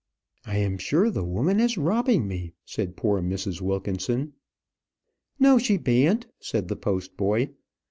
"I am sure the woman is robbing me," said poor Mrs. Wilkinson. "No, she beant," said the post boy.